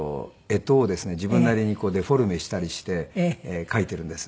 自分なりにこうデフォルメしたりして書いているんです。